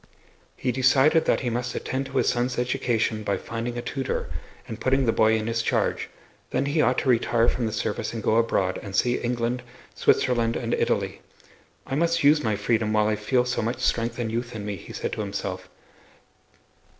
He decided that he must attend to his son's education by finding a tutor and putting the boy in his charge, then he ought to retire from the service and go abroad, and see England, Switzerland and Italy. "I must use my freedom while I feel so much strength and youth in me," he said to himself.